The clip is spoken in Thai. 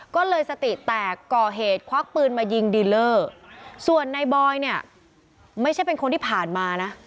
ก็เลยสติแตกก่อเหตุควักปืนมายิงดีเลอร์ส่วนในบอยเนี่ยไม่ใช่เป็นคนที่ผ่านมานะ